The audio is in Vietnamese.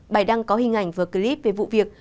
bài đăng có hình ảnh và clip về vụ việc